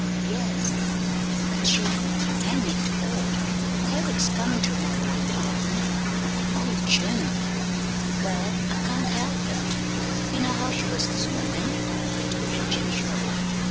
"Yes." "But she hang it all, Herrick's comin' ter morrer with the coffin!" "Oh, Jim!" "Well, I can't help it! You know how she was this mornin'," retorted Jim sharply.